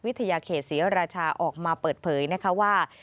เขตศรีราชาออกมาเปิดเผยนะคะว่า